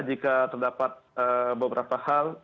jika terdapat beberapa hal